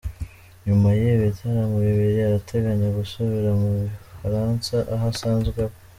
Nyuma y’ibi bitaramo bibiri arateganya gusubira mu Bufaransa, aho asanzwe aba.